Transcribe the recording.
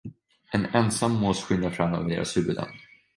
En ensam mås skyndar fram över deras huvuden.